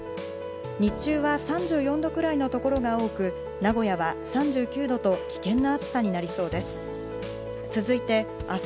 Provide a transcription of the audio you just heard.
日中は３４度くらいの所が多く、名古屋は３９度と危険な暑さになりそうです。